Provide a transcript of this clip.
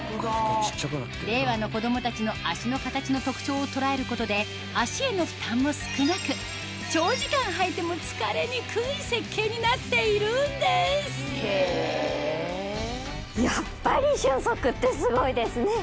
令和の子供たちの足の形の特徴を捉えることで足への負担も少なく長時間履いても疲れにくい設計になっているんですやっぱり瞬足ってすごいですね！